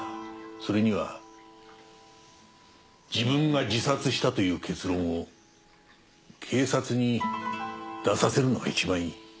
それには自分が自殺したという結論を警察に出させるのが一番いい。